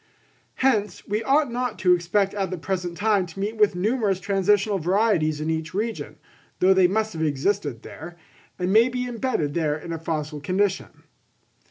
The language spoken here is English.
Hence we ought not to expect at the present time to meet with numerous transitional varieties in each region, though they must have existed there, and may be embedded there in a fossil condition.